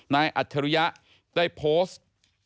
อัจฉริยะได้โพสต์